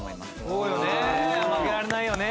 そうよね負けられないよね。